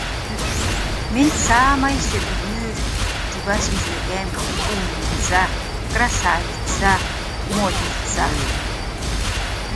Мин саамай сөбүлүүр, чугас дьүөгэм, умница, красавица, модница